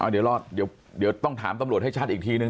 เดี๋ยวต้องถามตำรวจให้ชัดอีกทีนึง